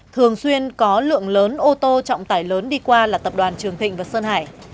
thường xuyên có lượng lớn ô tô trọng tải lớn đi qua là tập đoàn trường thịnh và sơn hải